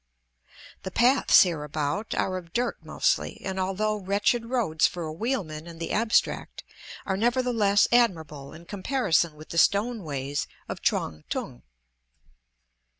The paths hereabout are of dirt mostly, and although wretched roads for a wheelman in the abstract, are nevertheless admirable in comparison with the stone ways of Quang tung.